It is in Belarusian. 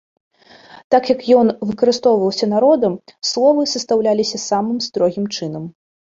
Так як ён выкарыстоўваўся народам, словы састаўляліся самым строгім чынам.